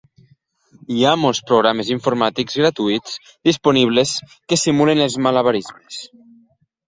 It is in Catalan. Hi ha molts programes informàtics gratuïts disponibles que simulen els malabarismes.